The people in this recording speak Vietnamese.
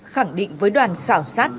khẳng định với đoàn khảo sát